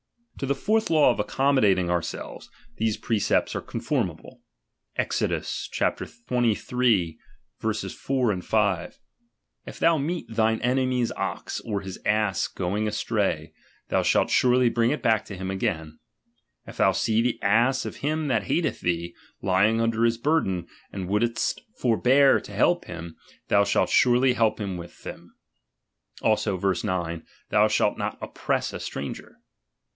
To the fourth law of accommodating our fui. selves, these precepts are conformable : Exod. xxiii. 4, 5 : If thou meet thine enemy's ox, or his ass going astray, thou shall surely bring it back to him again. If thou see the ass of him that hatetk thee, lying under his burden, and wouldst forbear to help him, thou .shall surely help with him. Also (verse 9) : Thou shall not oppress a stranger.